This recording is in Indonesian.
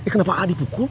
kenapa a dipukul